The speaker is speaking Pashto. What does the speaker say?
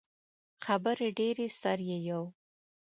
خبرې ډیرې سر يې یو.